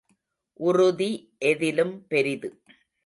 உறுதி எதிலும் பெரிது.